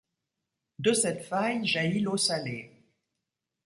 De cette faille, jaillit l'eau salée.